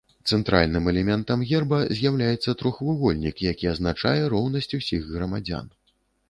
Цэнтральным элементам герба з'яўляецца трохвугольнік, які азначае роўнасць усіх грамадзян.